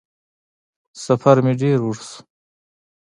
سفر مې ډېر اوږد شو